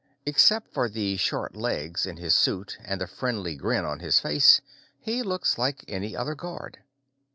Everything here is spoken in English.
Except for the short legs in his suit and the friendly grin on his face, he looks like any other guard.